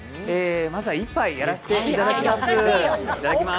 まずは１杯やらせていただきます。